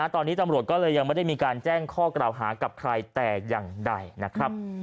ตอนนี้ตำรวจก็เลยยังไม่ได้มีการแจ้งข้อกล่าวหากับใครแต่อย่างใดนะครับ